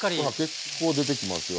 結構出てきますよ